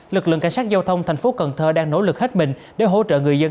lực lượng cảnh sát giao thông tp cn đang nỗ lực hết mình để hỗ trợ người dân